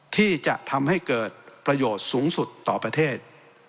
ที่จะทำให้เกิดประโยชน์สูงสุดต่อประเทศ